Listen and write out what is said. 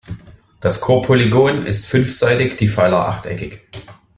Das Chorpolygon ist fünfseitig, die Pfeiler achteckig.